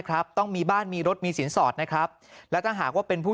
ครับต้องมีบ้านมีรถมีสินสอดนะครับและถ้าหากว่าเป็นผู้